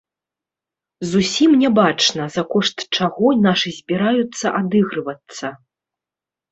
Зусім не бачна за кошт чаго нашы збіраюцца адыгрывацца.